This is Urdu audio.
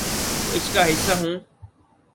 تو اس کا حصہ ہوں۔